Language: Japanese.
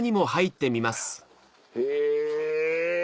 へぇ！